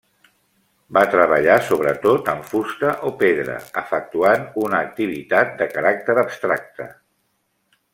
Va treballar sobretot en fusta o pedra; efectuant una activitat de caràcter abstracte.